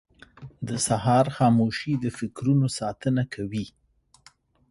• د سهار خاموشي د فکرونو ساتنه کوي.